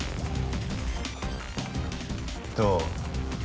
どう？